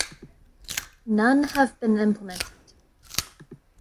None have been implemented.